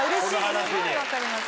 すごい分かります。